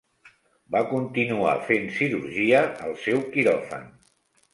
Va continuar fent cirurgia al seu quiròfan.